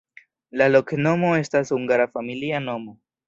La loknomo estas hungara familia nomo.